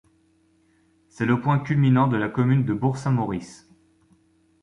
C'est le point culminant de la commune de Bourg-Saint-Maurice.